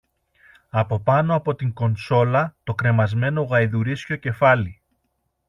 Από πάνω από την κονσόλα το κρεμασμένο γαϊδουρίσιο κεφάλι